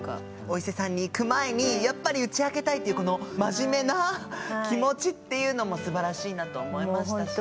お伊勢さんに行く前にやっぱり打ち明けたいっていうこの真面目な気持ちっていうのもすばらしいなと思いましたし。